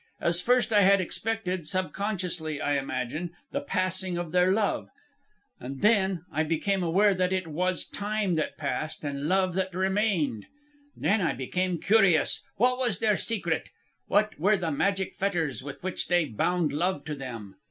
As first I had expected, subconsciously I imagine, the passing of their love. Then I became aware that it was Time that passed and Love that remained. Then I became curious. What was their secret? What were the magic fetters with which they bound Love to them?